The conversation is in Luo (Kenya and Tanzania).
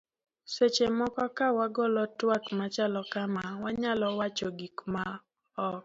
seche moko ka wagolo twak machalo kama, wanyalo wacho gik ma ok